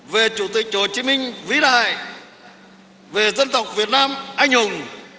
về chủ tịch hồ chí minh vĩ đại về dân tộc việt nam anh hùng